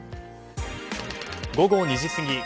午後２時過ぎ。